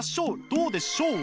どうでしょう。